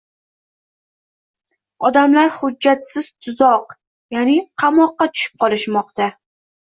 Odamlar hujjatsiz “tuzoq”, yaʼni qamoqqa tushib qolishmoqda.